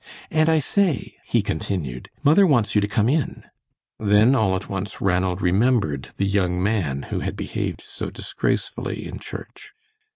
And I say," he continued, "mother wants you to come in." Then all at once Ranald remembered the young man who had behaved so disgracefully in church.